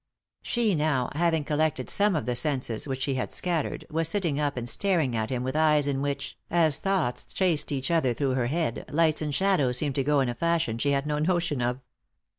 She now, having collected some of the senses which he had scattered, was sitting up and staring at him with eyes in which, as thoughts chased each other through her head, lights and shadows seemed to go in a fashion she had no notion of.